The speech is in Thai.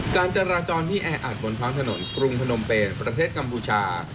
การจราจรที่แออัดบนท้องถนนกรุงพนมเป็นประเทศกัมพูชา